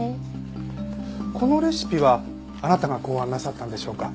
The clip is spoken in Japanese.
このレシピはあなたが考案なさったんでしょうか？